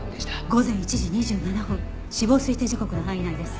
午前１時２７分死亡推定時刻の範囲内です。